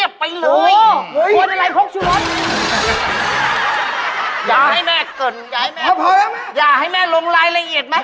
อย่าให้แม่ลงรายละเอียดไหม